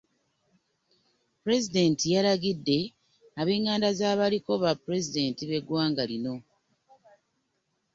Pulezidenti yalagidde ab'enganda z'abaaliko ba pulezidenti bw'eggwanga lino.